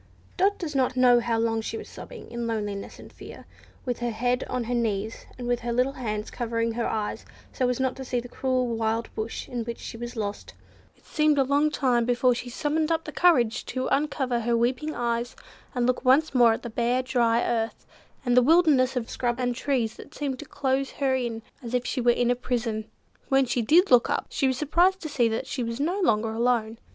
Dot does not know how long she was sobbing in loneliness and fear, with her head on her knees, and with her little hands covering her eyes so as not to see the cruel wild bush in which she was lost. It seemed a long time before she summoned up courage to uncover her weeping eyes, and look once more at the bare, dry earth, and the wilderness of scrub and trees that seemed to close her in as if she were in a prison. When she did look up, she was surprised to see that she was no longer alone.